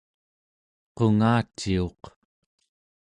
qungaciuq